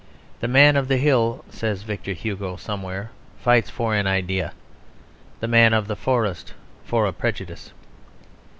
The Man of the Hill, says Victor Hugo somewhere, fights for an idea; the Man of the Forest for a prejudice.